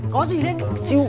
có gì lên xỉu